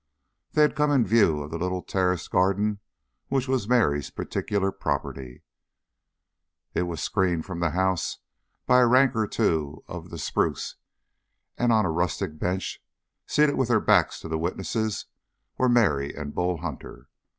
They had come in view of the little terraced garden which was Mary's particular property; it was screened from the house by a rank or two of the spruce, and on a rustic bench, seated with their backs to the witnesses, were Mary and Bull Hunter.